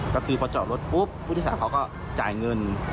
ก็คือพอจอดรถปุ๊บผู้โดยสารเขาก็จ่ายเงิน